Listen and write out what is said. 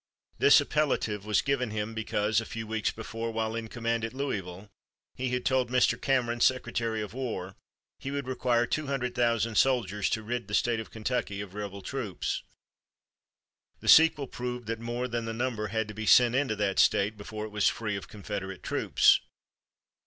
This appellative was given him because, a few weeks before, while in command at Louisville, he had told Mr. Cameron, Secretary of War, he would require two hundred thousand soldiers to rid the State of Kentucky of rebel troops. The sequel proved that more than that number had to be sent into that State before it was free of Confederate troops.